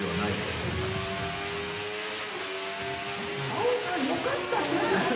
あおさん、よかったね。